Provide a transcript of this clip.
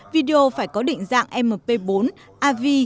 video phải có định dạng mp bốn av